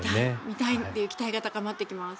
見たいという期待が高まってきます。